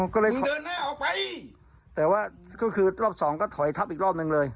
ก็เลยมึงเดินหน้าออกไปแต่ว่าก็คือรอบสองก็ถอยทับอีกรอบนึงเลย